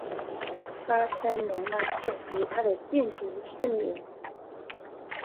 巴塞隆纳省以它的建筑盛名。